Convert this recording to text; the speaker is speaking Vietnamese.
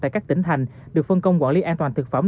tại các tỉnh thành được phân công quản lý an toàn thực phẩm